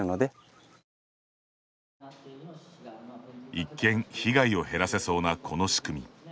一見被害を減らせそうなこの仕組み。